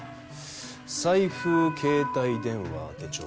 財布携帯電話手帳